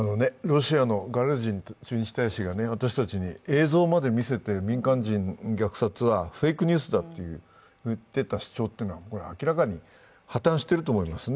ロシアのガルージン駐日大使が私たちに映像まで見せて民間人虐殺はフェイクニュースだと言っていた主張は破綻していると思います。